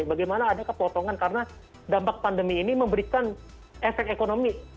bagaimana ada kepotongan karena dampak pandemi ini memberikan efek ekonomi